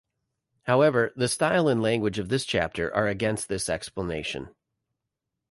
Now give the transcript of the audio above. However, the style and language of this chapter are against this explanation.